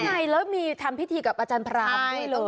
นี่ไงแล้วมีทำพิธีกับอาจารย์พระอาบด้วยเลย